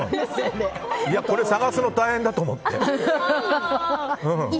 これ探すの大変だと思って。